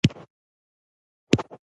فاعل د فعل سره تړاو لري او کار ئې څرګندوي.